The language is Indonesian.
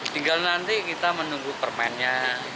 tinggal nanti kita menunggu permennya